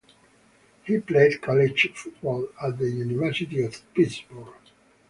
He played college football at the University of Pittsburgh.